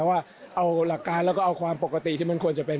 ว่าเอาหลักการแล้วก็เอาความปกติที่มันควรจะเป็น